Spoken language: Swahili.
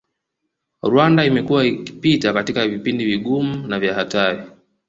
Rwanda imekuwa ikipita katika vipindi vigumu na vya hatari